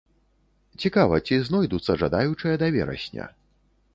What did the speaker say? Цікава, ці знойдуцца жадаючыя да верасня?